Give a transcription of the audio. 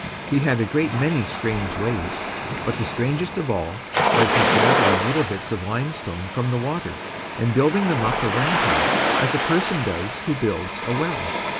He had a great many strange ways, but the strangest of all was his gathering little bits of limestone from the water and building them up round him, as a person does who builds a well.